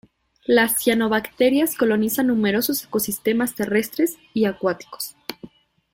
Las cianobacterias colonizan numerosos ecosistemas terrestres y acuáticos.